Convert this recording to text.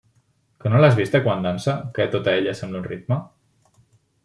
Que no l'has vista quan dansa, que tota ella sembla un ritme?